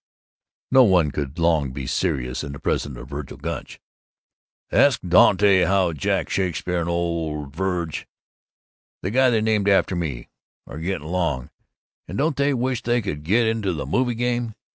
No one could long be serious in the presence of Vergil Gunch. "Ask Dant' how Jack Shakespeare and old Verg' the guy they named after me are gettin' along, and don't they wish they could get into the movie game!"